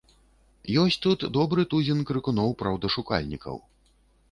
Ёсць тут добры тузін крыкуноў-праўдашукальнікаў.